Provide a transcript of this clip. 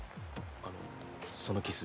あのその傷。